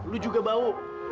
lo juga bau